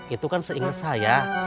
itu kan seinget saya